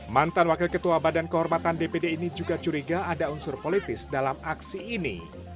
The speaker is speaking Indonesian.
mantan wakil ketua badan kehormatan dpd ini juga curiga ada unsur politis dalam aksi ini